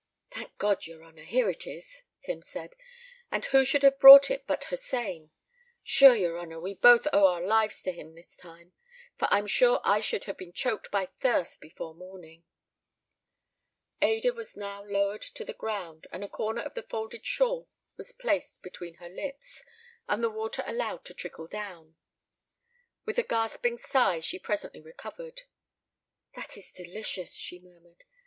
"Thank God, yer honour, here it is," Tim said; "and who should have brought it but Hossein. Shure, yer honour, we both owe our lives to him this time, for I'm sure I should have been choked by thirst before morning." Ada was now lowered to the ground, and a corner of the folded shawl was placed between her lips, and the water allowed to trickle down. With a gasping sigh she presently recovered. "That is delicious," she murmured.